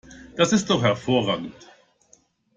Das ist doch hervorragend!